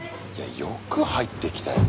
よく入ってきたよね。